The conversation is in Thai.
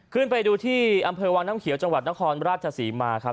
ขึ้นไปดูที่อำเภอวังน้ำเขียวจังหวัดนครราชศรีมาครับ